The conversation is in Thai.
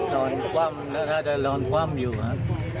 นอนคว่ำแล้วน่าจะนอนคว่ำอยู่ครับ